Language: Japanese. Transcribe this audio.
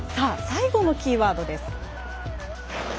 最後のキーワードです。